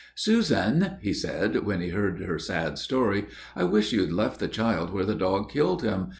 "Susan," he said, when he had heard her sad story, "I wish you'd left the child where the dog killed him.